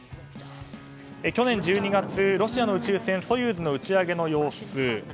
去年１２月、ロシアの宇宙船「ソユーズ」の打ち上げの様子。